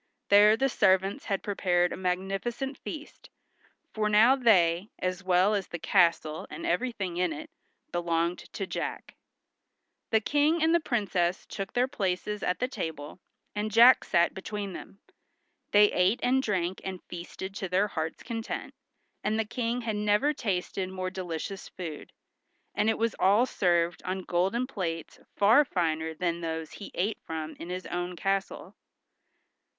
There the servants had prepared a magnificent feast, for now they, as well as the castle and everything in it, belonged to Jack. The King and the Princess took their places at the table, and Jack sat between them. They ate and drank and feasted to their hearts' content, and the King had never tasted more delicious food, and it was all served on golden plates far finer than those he ate from in his own castle.